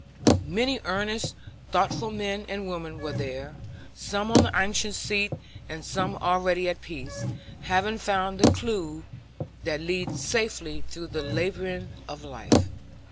Many earnest, thoughtful men and women were there, some on the anxious seat, and some already at peace, having found the clew that leads safely through the labyrinth of life.